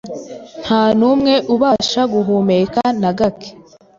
nta numwe ubasha guhumeka na gake